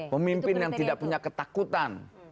pemimpin yang tidak punya ketakutan